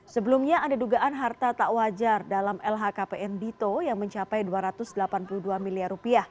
sebelumnya ada dugaan harta tak wajar dalam lhkpn dito yang mencapai rp dua ratus delapan puluh dua miliar